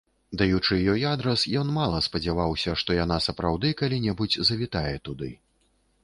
Даючы ёй адрас, ён мала спадзяваўся, што яна сапраўды калі-небудзь завітае туды.